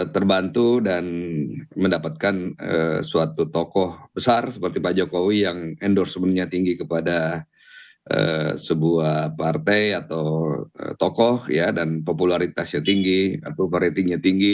terbantu dan mendapatkan suatu tokoh besar seperti pak jokowi yang endorsementnya tinggi kepada sebuah partai atau tokoh dan popularitasnya tinggi approval ratingnya tinggi